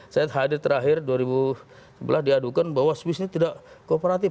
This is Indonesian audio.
saya hadir terakhir dua ribu sebelas diadukan bahwa swiss ini tidak kooperatif